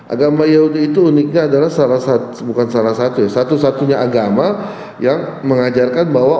agama yahudi itu uniknya adalah salah satu bukan salah satu ya satu satunya agama yang mengajarkan bahwa